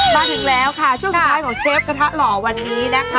มาถึงแล้วค่ะช่วงสุดท้ายของเชฟกระทะหล่อวันนี้นะคะ